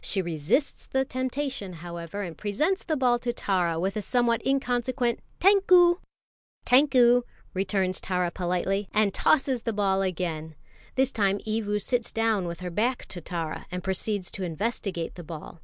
She resists the temptation, however, and presents the ball to Tara with a somewhat inconsequent "Tankou!" "Tankou!" returns Tara politely, and tosses the ball again. This time Evu sits down with her back to Tara, and proceeds to investigate the ball.